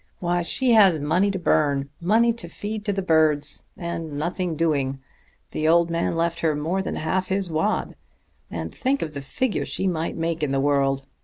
"Why, she has money to burn money to feed to the birds and nothing doing! The old man left her more than half his wad. And think of the figure she might make in the world!